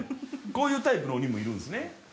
こういうタイプの鬼もいるんですね。